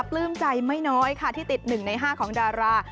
ปลื้มใจไม่น้อยค่ะที่ติด๑ใน๕ของดารา